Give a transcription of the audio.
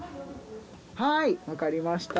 はい分かりました